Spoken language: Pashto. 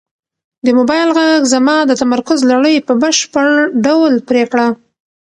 د موبایل غږ زما د تمرکز لړۍ په بشپړ ډول پرې کړه.